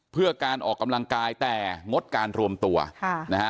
เพื่อการออกกำลังกายแต่งดการรวมตัวค่ะนะฮะ